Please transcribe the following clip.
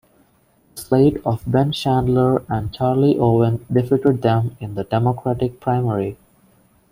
The slate of Ben Chandler and Charlie Owen defeated them in the Democratic primary.